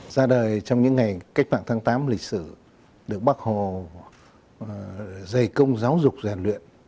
ra đời trong những ngày cách mạng tháng tám lịch sử được bác hồ dày công giáo dục rèn luyện